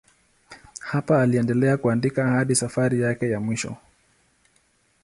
Hapa aliendelea kuandika hadi safari yake ya mwisho.